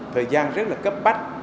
thời gian rất là cấp bách